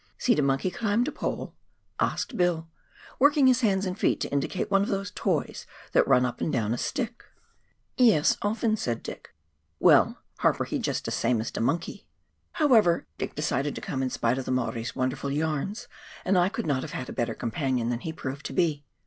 See de monkey climb de pole ?" asked Bill, working his hands and feet to indicate one of those toys that run up and down a stick. 254 PIONEER WORK IN THE ALPS OF NEW ZEALAND, " Yes, often," said Dick. " Well, Harper, he just same as de monkey !" However, Dick decided to come in spite of the Maori's won derful yarns, and I could not have had a better companion than he proved to be.